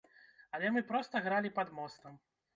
Але мы проста гралі пад мостам!